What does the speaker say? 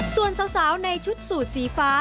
ส่วนสาวในชุดสูตรสีฟ้า